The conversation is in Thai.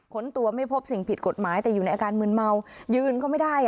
ตัวไม่พบสิ่งผิดกฎหมายแต่อยู่ในอาการมืนเมายืนก็ไม่ได้